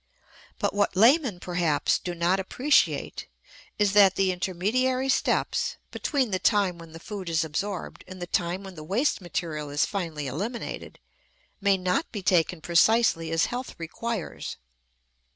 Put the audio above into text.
But what laymen, perhaps, do not appreciate is that the intermediary steps between the time when the food is absorbed and the time when the waste material is finally eliminated may not be taken precisely as health requires.